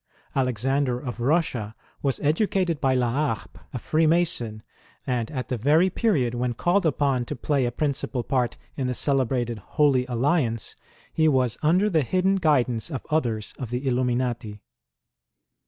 Alexander of Kussia was educated by La Harpe, a Freemason, and at the very period when called upon to play u principal part in the celebrated ^'Holy Alliance," he was under the hidden guidance of others of the Illuminati.